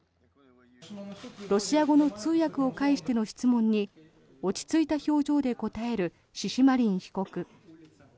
ロシア語の通訳を介しての質問に落ち着いた表情で答えるシシマリン被告。